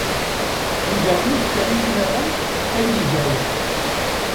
Yuba ur t-terri tmara ad yeg aya.